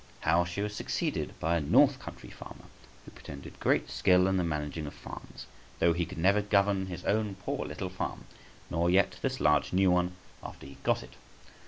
How she was succeeded by a North Country farmer {162a}, who pretended great skill in the managing of farms, though he could never govern his own poor little farm, nor yet this large new one after he got it.